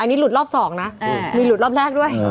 อันนี้หลุดรอบสองนะอืมมีหลุดรอบแรกด้วยอืม